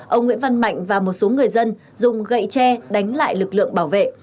ông nguyễn văn mạnh và một số người dân dùng gậy tre đánh lại lực lượng bảo vệ